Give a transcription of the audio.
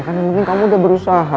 kan yang penting kamu udah berusaha